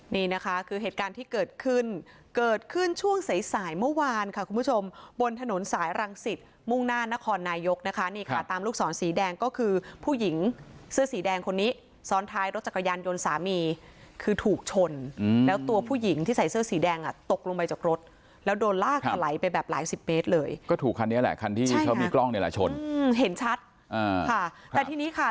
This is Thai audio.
นี่นะคะคือเหตุการณ์ที่เกิดขึ้นเกิดขึ้นช่วงสายสายเมื่อวานค่ะคุณผู้ชมบนถนนสายรังสิตมุ่งหน้านครนายกนะคะนี่ค่ะตามลูกศรสีแดงก็คือผู้หญิงเสื้อสีแดงคนนี้ซ้อนท้ายรถจักรยานยนต์สามีคือถูกชนแล้วตัวผู้หญิงที่ใส่เสื้อสีแดงอ่ะตกลงไปจากรถแล้วโดนลากถลายไปแบบหลายสิบเมตรเลยก็ถูกคันนี้แหละคันที่เขามีกล้องนี่แหละชนเห็นชัดค่ะแต่ทีนี้ค่ะ